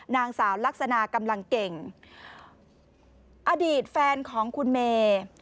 นางสาวลักษณะกำลังเก่งอดีตแฟนของคุณเมย์